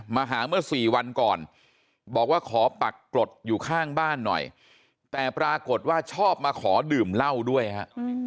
มาหาเมื่อสี่วันก่อนบอกว่าขอปักกรดอยู่ข้างบ้านหน่อยแต่ปรากฏว่าชอบมาขอดื่มเหล้าด้วยฮะ